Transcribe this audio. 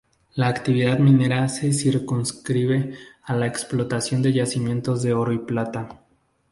La actividad minera se circunscribe a la explotación de yacimientos de oro y plata.